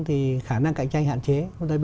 thì khả năng cạnh tranh hạn chế